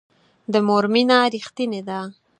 د مور مینه ریښتینې ده